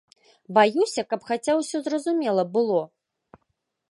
Баюся, каб хаця ўсё зразумела было.